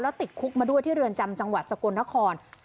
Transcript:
ติดคุกมาด้วยที่เรือนจำจังหวัดสกลนคร